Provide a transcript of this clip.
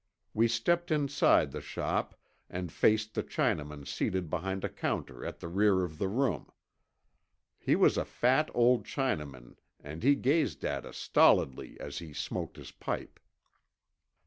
We stepped inside the shop and faced the Chinaman seated behind a counter at the rear of the room. He was a fat old Chinaman and he gazed at us stolidly as he smoked his pipe.